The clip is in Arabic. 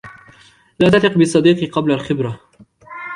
لَا تَثِقْ بِالصِّدِّيقِ قَبْلَ الْخِبْرَةِ